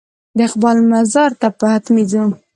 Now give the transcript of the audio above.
د اقبال مزار ته به حتمي ځو.